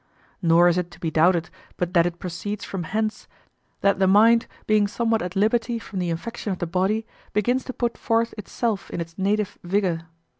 Nor is it to be doubted but that it proceeds from hence, that the mind, being somewhat at liberty from the infection of the body, begins to put forth itself in its native vigor.